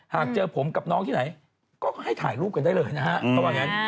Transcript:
หากเจอผมกับน้องที่ไหนก็ให้ถ่ายรูปกันได้เลยนะฮะ